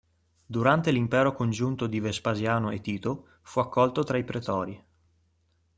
Durante l'impero congiunto di Vespasiano e Tito fu accolto tra i pretori.